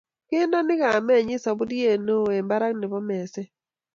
Kindeno kamenyi saburiet neoo eng barak nebo meset